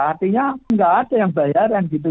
artinya nggak ada yang bayaran gitu